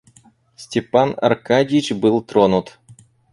Степан Аркадьич был тронут.